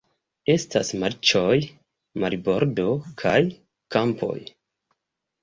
Estas marĉoj, marbordo kaj kampoj.